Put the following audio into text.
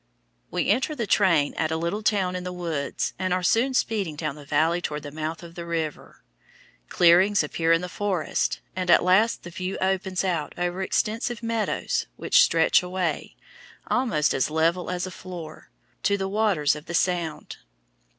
We enter the train at a little town in the woods and are soon speeding down the valley toward the mouth of the river. Clearings appear in the forest, and at last the view opens out over extensive meadows which stretch away, almost as level as a floor, to the waters of the sound.